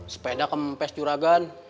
sepeda kempes juragan